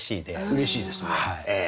うれしいですね。